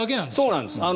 そうなんです。